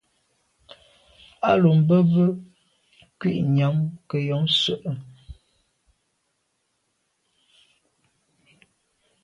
A lo be be kwinyàm ke yon nse’e.